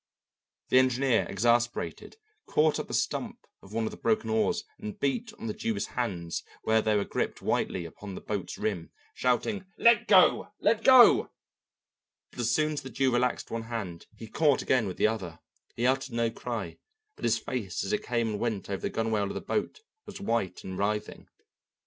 The engineer, exasperated, caught up the stump of one of the broken oars and beat on the Jew's hands where they were gripped whitely upon the boat's rim, shouting, "Let go! let go!" But as soon as the Jew relaxed one hand he caught again with the other. He uttered no cry, but his face as it came and went over the gunwale of the boat was white and writhing.